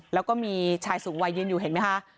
แล้วก็มีชายสูงวัยยืนอยู่เห็นไหมคะ